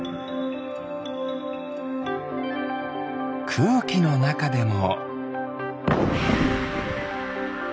くうきのなかでも。